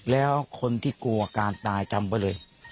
แล้วคนที่กลัวการตายจำไว้เลย